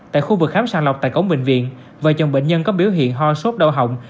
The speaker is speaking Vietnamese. tại khu vực khám sàng lọc tại cổng bệnh viện vợ chồng bệnh nhân có biểu hiện ho sốt đau hỏng